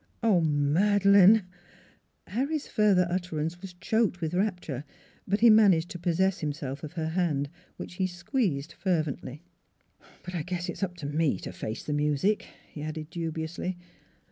Oh, Madeleine !" Harry's further utterance was choked with rapture ; but he managed to possess himself of her hand, which he squeezed fervently. " But I guess it's up to me to face the music," he added dubiously.